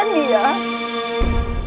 janganlah cakap gitu